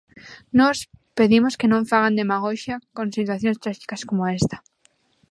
Nós pedimos que non fagan demagoxia con situacións tráxicas como esta.